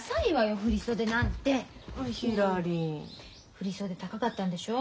振り袖高かったんでしょ？